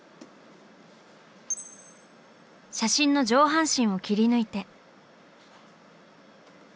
写真の上半身を切り抜いて。